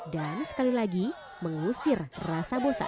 dan sekali lagi mengusir rasa bosan